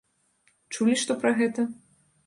Чулі што пра гэта?